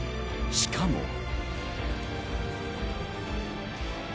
しかも。